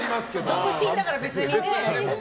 独身だから別にね。